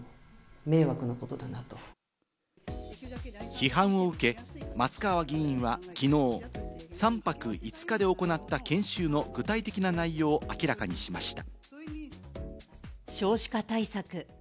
批判を受け、松川議員はきのう３泊５日で行った研修の具体的な内容を明らかにしました。